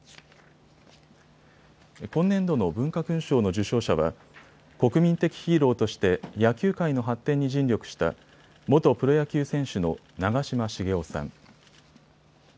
今年度の文化勲章の受章者は国民的ヒーローとして野球界の発展に尽力した元プロ野球選手の長嶋茂雄さん。